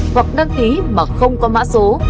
hoặc đăng ký mà không có mã số